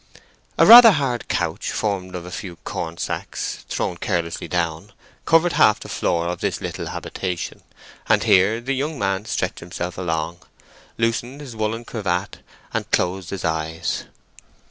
A rather hard couch, formed of a few corn sacks thrown carelessly down, covered half the floor of this little habitation, and here the young man stretched himself along, loosened his woollen cravat, and closed his eyes.